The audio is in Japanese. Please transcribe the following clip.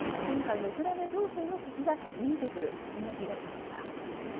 今回のウクライナ情勢の先が見えてくるそんな気がしました。